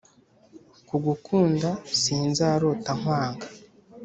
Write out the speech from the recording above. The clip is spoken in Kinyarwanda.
Kugukunda sinzarota nkwanga